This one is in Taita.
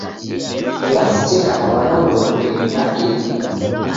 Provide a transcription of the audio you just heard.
Klasi cheka na w'ana mrongo iwi na inya.